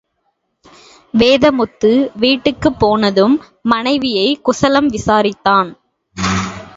வேதமுத்து, வீட்டுக்கு போனதும், மனைவியை குசலம் விசாரித்தான்.